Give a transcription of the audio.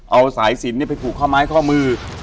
เอาสายสินไปผูกข้อไม้ข้อมือ